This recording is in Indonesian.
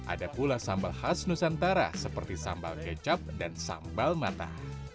ada pula sambal khas nusantara seperti sambal kecap dan sambal mata